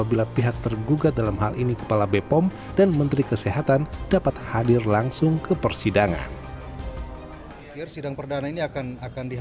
ini adalah kecewaan berkesekian kesekian kali